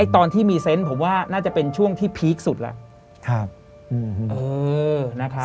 ไอ้ตอนที่มีเซ็นต์ผมว่าน่าจะเป็นช่วงที่พีคสุดล่ะครับอืมอืมเออนะครับ